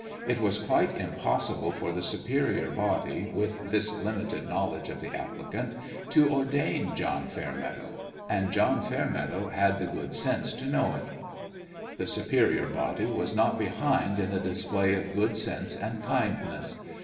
It was quite impossible for the Superior Body, with this limited knowl edge of the applicant, to ordain John Fair meadow ; and John Fairmeadow had the good sense to know it. The Superior Body was not behind in the dis play of good sense and kindness.